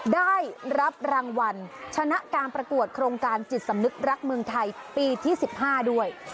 ได้รับรางวัลชนะการประกวดโครงการจิตสำนึกรักเมืองไทยปีที่๑๕ด้วย